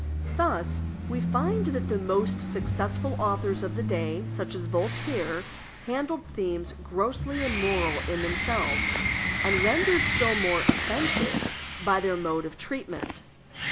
Thus we find that the most successful authors of the day, such as Voltaire, handled themes grossly immoral in themselves, and rendered still more offensive by their mode of treatment.